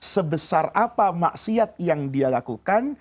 sebesar apa maksiat yang dia lakukan